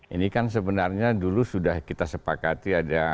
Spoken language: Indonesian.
ini kan sebenarnya dulu sudah kita sepakati